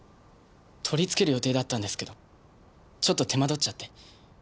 取り付ける予定だったんですけどちょっと手間取っちゃって。